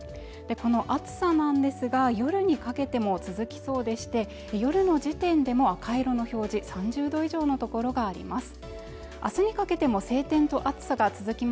この暑さなんですが夜にかけても続きそうでして夜の時点でも赤色の表示３０度以上の所があります